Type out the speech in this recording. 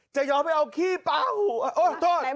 จะยอมไปเอาขี้ปลาหูโอ้โทษ